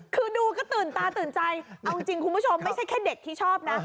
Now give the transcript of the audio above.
คือดูก็ตื่นตาตื่นใจเอาจริงคุณผู้ชมไม่ใช่แค่เด็กที่ชอบนะ